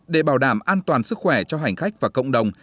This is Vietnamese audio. để bảo đảm an toàn sức khỏe cho hành khách và cộng đồng